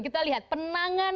kita lihat penanganan